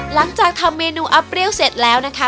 หลังจากทำเมนูอัพเปรี้ยวเสร็จแล้วนะคะ